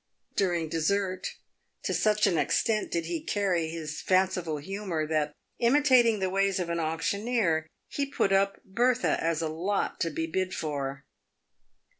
During dessert, to such an extent did he carry his fanciful humour that, imitating the ways of an auctioneer, he put up Bertha as a lot to be bid for.